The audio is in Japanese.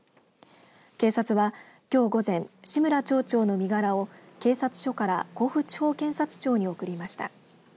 警察は、きょう午前志村町長の身柄を警察署から甲府地方検察庁に送りました。